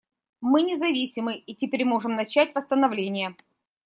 Мы независимы и теперь можем начать восстановление.